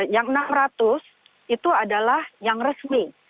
yang enam ratus itu adalah yang resmi